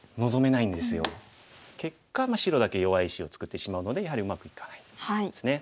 結果白だけ弱い石を作ってしまうのでやはりうまくいかないんですね。